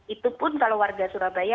itu pun kalau warga surabaya